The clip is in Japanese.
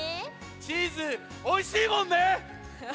チーズおいしいもんね。